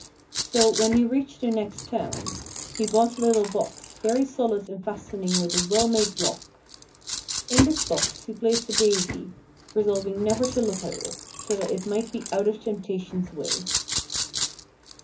So, when he reached the next town, he bought a little box, very solid and fastening with a well made lock. In this box he placed the daisy, resolving never to look at it, so that it might be out of temptation's way.